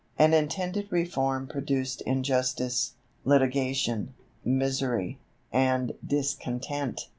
An intended reform produced injustice, litigation, misery, and discontent.